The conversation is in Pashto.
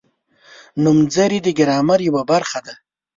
نومځري د ګرامر یوه برخه ده.